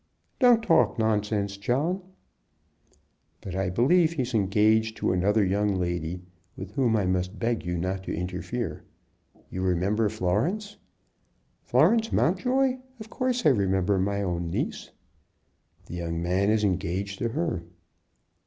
"Don't talk nonsense, John." "But I believe he's engaged to another young lady, with whom I must beg you not to interfere. You remember Florence?" "Florence Mountjoy? Of course I remember my own niece." "The young man is engaged to her."